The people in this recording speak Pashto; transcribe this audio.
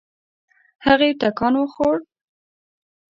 هغې ټکان وخوړ.